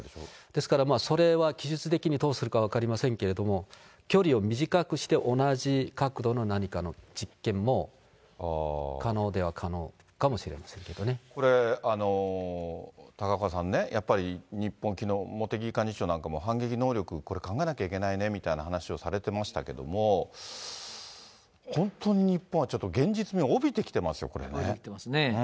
ですからそれは技術的にどうするか分かりませんけれども、距離を短くして同じ角度の何かの実験も可能では可能かもしれませこれ、高岡さんね、やっぱり日本、きのう、茂木幹事長なんかも反撃能力、これ考えなきゃいけないねみたいな話もされてましたけども、本当に日本はちょっと現実味を帯びてきてますよ、帯びてきてますね。